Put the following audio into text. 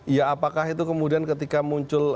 ya apakah itu kemudian ketika muncul